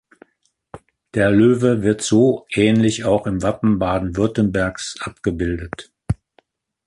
Der Löwe wird so ähnlich auch im Wappen Baden-Württembergs abgebildet.